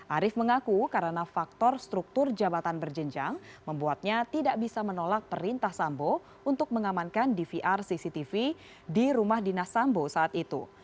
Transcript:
arief mengaku karena faktor struktur jabatan berjenjang membuatnya tidak bisa menolak perintah sambo untuk mengamankan dvr cctv di rumah dinas sambo saat itu